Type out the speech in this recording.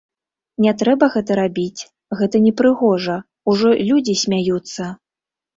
Не трэба гэта рабіць, гэта непрыгожа, ужо людзі смяюцца.